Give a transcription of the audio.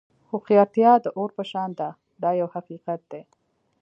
هوښیارتیا د اور په شان ده دا یو حقیقت دی.